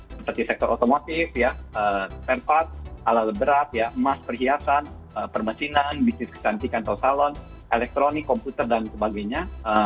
seperti sektor otomotif ya tempat ala leberat ya emas perhiasan permesinan bisnis kesantikan atau salon elektronik komputer dan sebagainya